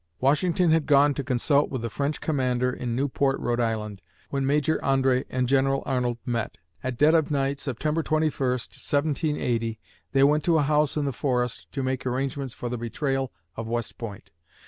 Washington had gone to consult with the French commander in Newport (R. I.), when Major André and General Arnold met. At dead of night, September 21, 1780, they went to a house in the forest to make arrangements for the betrayal of West Point.